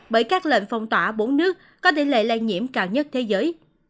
bởi các lệnh phong tỏa bốn nước có tỷ lệ lây nhiễm cao nhất thế giới